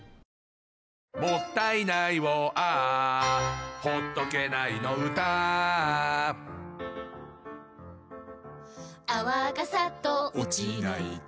「もったいないをＡｈ」「ほっとけないの唄Ａｈ」「泡がサッと落ちないと」